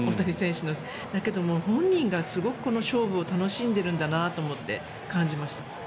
だけど、本人がすごくこの勝負を楽しんでるんだなと感じました。